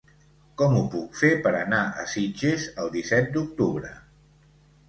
Com ho puc fer per anar a Sitges el disset d'octubre?